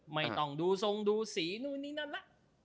ไม่ต้องดูทรงดูสีนู่นนี่นั่นละ